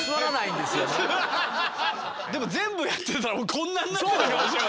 でも全部やってたらこんなんなってたかもしれませんね。